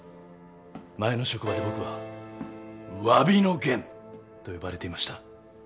前の職場で僕はわびの玄と呼ばれていました。